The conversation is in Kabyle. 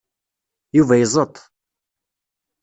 Yuba iẓeṭṭ.